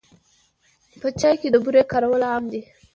په چای کې د بوري کارول عام دي.